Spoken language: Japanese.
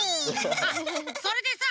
あっそれでさ